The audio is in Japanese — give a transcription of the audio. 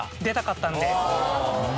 出たかったんで。